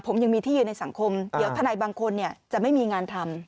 ผมยังมีที่ยืนในสังคมเดี๋ยวทนายบางคนจะไม่มีงานทำ